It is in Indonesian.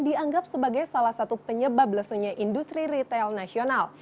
dianggap sebagai salah satu penyebab lesunya industri retail nasional